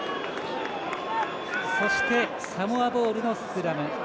そしてサモアボールのスクラム。